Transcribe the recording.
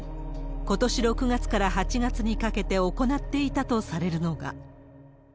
ことし６月から８月にかけて行っていたとされるのが。